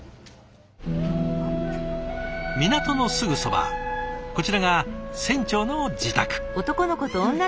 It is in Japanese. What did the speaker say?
港のすぐそばこちらが船長の自宅。